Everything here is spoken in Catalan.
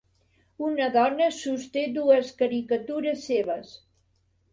Una dona sosté dues caricatures seves.